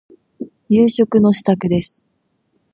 夕食の支度です。